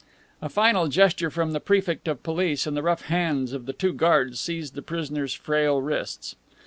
A final gesture from the Prefect of Police and the rough bands of the two guards seized the prisoner's frail wrists.